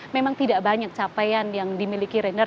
memang tidak banyak capaian yang dimiliki reinhard